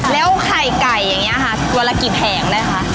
แล้วไข่ไก่อย่างนี้ค่ะวันละกี่แผงได้คะ